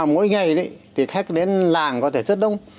mỗi ngày thì khách đến làng có thể rất đông